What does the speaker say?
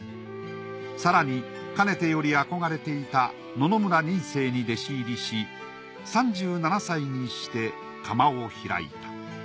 更にかねてより憧れていた野々村仁清に弟子入りし３７歳にして窯を開いた。